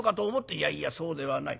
「いやいやそうではない。